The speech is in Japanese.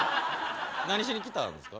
何しに来たんですか？